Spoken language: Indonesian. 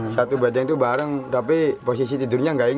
satu badan itu bareng tapi posisi tidurnya nggak enak